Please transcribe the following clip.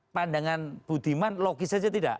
pandangan bu diman logis saja tidak